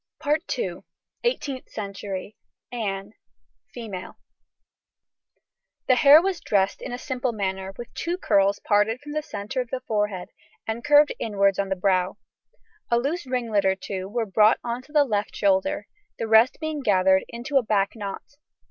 EIGHTEENTH CENTURY. ANNE. FEMALE. The hair was dressed in a simple manner, with two curls parted from the centre of the forehead, and curved inwards on the brow. A loose ringlet or two were brought on to the left shoulder, the rest being gathered into a back knot.